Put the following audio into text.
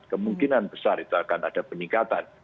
kemungkinan besar itu akan ada peningkatan